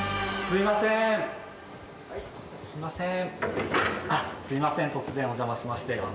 すいません突然お邪魔しまして。